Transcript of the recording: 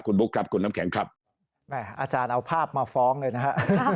คุณบุ๊คครับคุณน้ำแข็งครับแม่อาจารย์เอาภาพมาฟ้องเลยนะฮะ